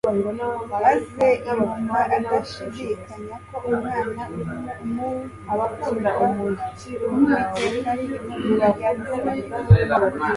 maze yumva adashidikanya ko umwana urimo umurikirwa Uwiteka ari Ihumure ry'Abisiraheli